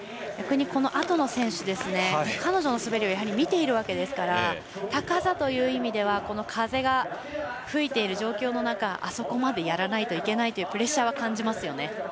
逆に、このあとの選手彼女の滑りを見ているわけですから高さという意味では風が吹いている状況の中あそこまでやらないといけないというプレッシャーは感じますよね。